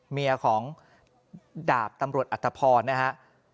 เมียของดาบตำรวจอัตภพรนะฮะ